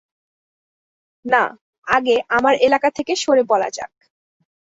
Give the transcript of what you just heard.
না, আগে আমার এলাকা থেকে সরে পড়া যাক।